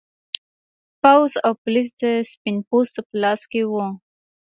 پوځ او پولیس د سپین پوستو په لاس کې و.